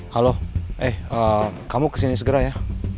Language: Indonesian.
halo eh kamu kesini segera ya